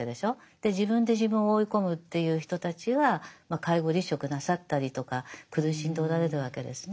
で自分で自分を追い込むっていう人たちが介護離職なさったりとか苦しんでおられるわけですね。